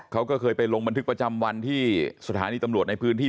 เขาก็เคยไปลงบันทึกประจำวันที่สถานีตำรวจในพื้นที่